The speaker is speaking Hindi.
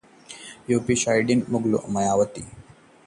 ‘यूपी शाइनिंग’ के मुगालते में हैं मायावतीः राहुल